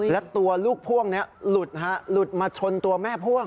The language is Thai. และตัวลูกพ่วงนี้หลุดมาชนตัวแม่พ่วง